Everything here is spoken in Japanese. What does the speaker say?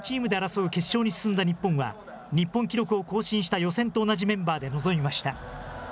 ４チームで争う決勝に進んだ日本は、日本記録を更新した予選と同じメンバーで臨みました。